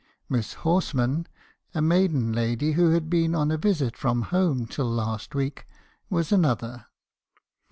MissHorsman (a maiden lady who had been on a visit from home till last week) was another.